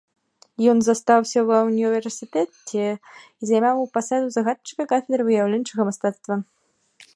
Ён застаўся ва ўніверсітэце і займаў пасаду загадчыка кафедры выяўленчага мастацтва.